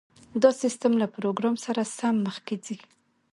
دا سیستم له پروګرام سره سم مخکې ځي